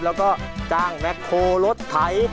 แล้วก็จ้างแม็กโทรรสไทย